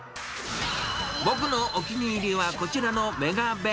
僕のお気に入りはこちらのメガ弁。